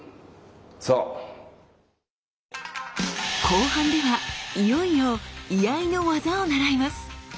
後半ではいよいよ居合の「業」を習います。